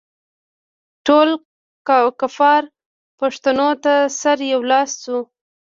ټول کفار پښتنو ته سره یو لاس شوي.